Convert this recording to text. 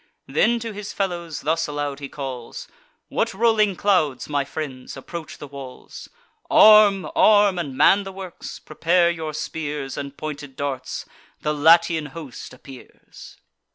Then to his fellows thus aloud he calls: "What rolling clouds, my friends, approach the walls? Arm! arm! and man the works! prepare your spears And pointed darts! the Latian host appears."